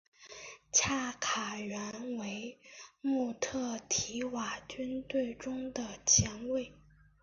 恰卡原为穆特提瓦军队中的前卫。